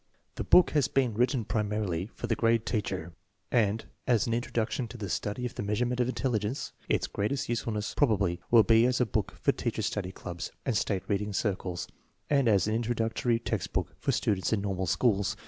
The book has been written primarily for the grade teacher, and as an introduction to the study of The Measurement of Intelligence. Its greatest usefulness probably will be as a book for Teacher Study Clubs and State Reading Circles, and as an introductory textbook for students in normal schools.